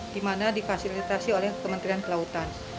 dimana difasilitasi oleh kementerian kelautan